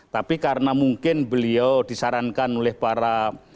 tapi karena mungkin beliau disarankan oleh para